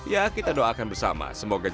ya kita doakan bersama